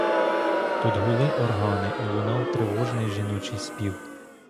Тут гули органи і лунав тривожний жіночий спів.